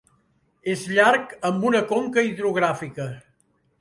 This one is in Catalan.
És llarg, amb una conca hidrogràfica.